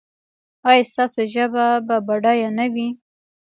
ایا ستاسو ژبه به بډایه نه وي؟